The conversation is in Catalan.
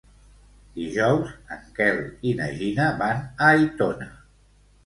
Dijous en Quel i na Gina van a Aitona.